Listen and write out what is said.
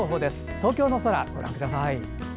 東京の空、ご覧ください。